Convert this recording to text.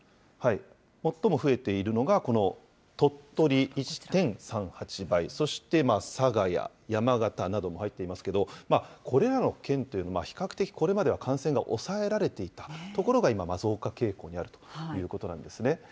最も増えているのが、この鳥取１．３８倍、そして佐賀や山形なども入っていますけど、これらの県というのは比較的、これまでは感染が抑えられていたところが今、増加傾向にあるということなんですね。